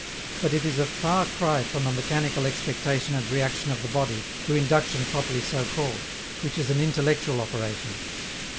But it is a far cry from a mechanical expectation and reaction of the body, to induction properly so called, which is an intellectual operation.